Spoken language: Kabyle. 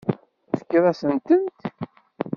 Tefkiḍ-asent-tent?